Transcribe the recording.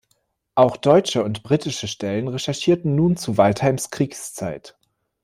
Auch deutsche und britische Stellen recherchierten nun zu Waldheims Kriegszeit.